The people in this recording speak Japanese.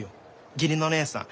義理の姉さん